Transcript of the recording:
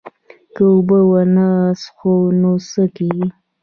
که اوبه ونه څښو نو څه کیږي